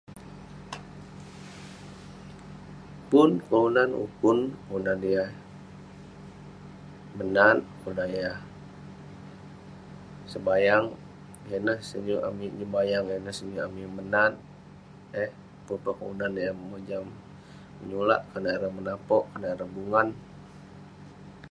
Pun kelunan mukun, kelunan yah menat, kelunan yah sebayang. Yah ineh senyuk amik nyebayang, senyuk amik menat eh. Pun peh kelunan eh mojam mulak, konak ireh menapok, konak ireh bungan.